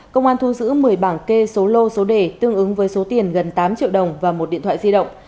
công an thu giữ một mươi bảng kê số lô số đề tương ứng với số tiền gần tám triệu đồng và một điện thoại di động